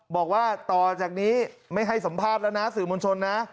บอกว่าต่อจากนี้ไม่ให้สัมภาษณ์แล้วนะสื่อมวลชนนะ